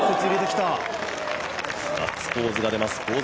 ガッツポーズが出ます、香妻